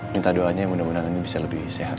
minta doanya yang mudah mudahan ini bisa lebih sehat